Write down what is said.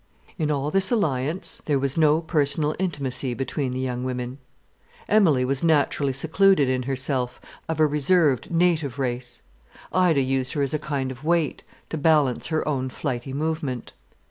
In all this alliance there was no personal intimacy between the young women. Emilie was naturally secluded in herself, of a reserved, native race. Ida used her as a kind of weight to balance her own flighty movement.